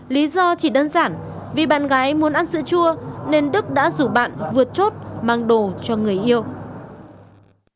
lý do chỉ đơn giản vì bạn gái muốn ăn sữa chua nên đức đã rủ bạn vượt chốt mang đồ cho người yêu